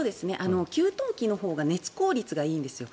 給湯器のほうが熱効率がいいんですよ。